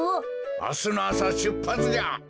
あすのあさしゅっぱつじゃ。